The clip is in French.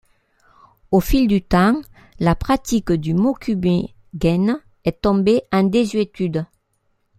Au fil du temps, la pratique du mokume-gane est tombée en désuétude.